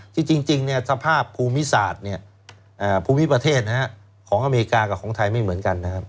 แต่จริงสภาพภูมิประเทศของอเมริกากับของไทยไม่เหมือนกันนะครับ